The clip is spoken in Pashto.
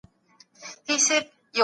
د کوټې چاپیریال تیاره دی.